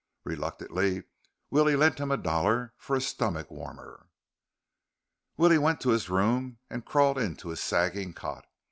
Reluctantly, Willie lent him a dollar for a stomach warmer. Willie went to his room and crawled into his sagging cot.